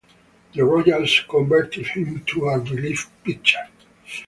The Royals converted him to a relief pitcher.